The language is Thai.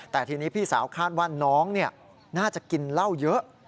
แต่ทีนี้พี่สาวคาดว่าน้องน่าจะกินเหล้าเยอะ